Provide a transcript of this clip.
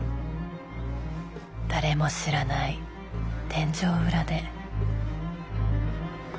誰も知らない天井裏で。